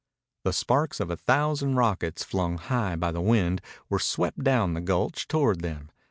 The sparks of a thousand rockets, flung high by the wind, were swept down the gulch toward them.